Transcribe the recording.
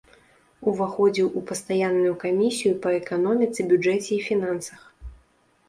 Уваходзіў у пастаянную камісію па эканоміцы, бюджэце і фінансах.